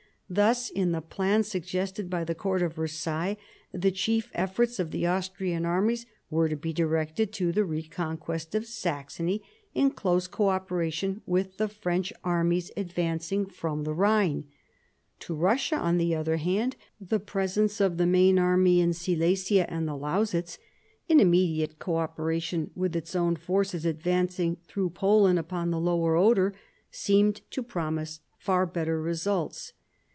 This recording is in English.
Thus in the plans suggested by the court of Versailles, the chief efforts of the Austrian armies were to be directed to the reconquest of Saxony in close co operation with the French armies advancing from the Rhine. To Eussia, on the other hand, the presence of the main army in Silesia and the Lausitz, in immediate co operation with its own forces advancing through Poland upon the Lower Oder, seemed to promise far better results.